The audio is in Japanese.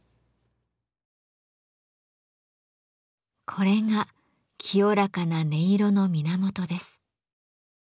これが清らかな音色の源です。